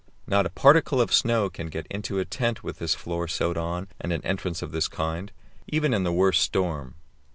Not a particle of snow can get into a tent with the floor sewed on and an entrance of this kind, even in the worst storm.